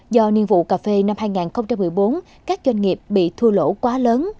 do niên vụ cà phê năm hai nghìn một mươi bốn các doanh nghiệp bị thu lỗ quá lớn